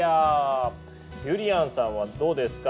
ゆりやんさんはどうですか？